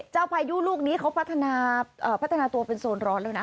พายุลูกนี้เขาพัฒนาพัฒนาตัวเป็นโซนร้อนแล้วนะ